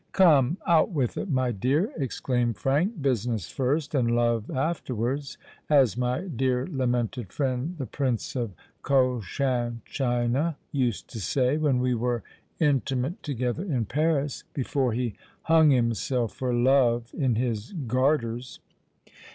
"Come—out with it, my dear," exclaimed Frank. "Business first, and love afterwards—as my dear lamented friend the Prince of Cochin China used to say when we were intimate together in Paris, before he hung himself for love in his garters."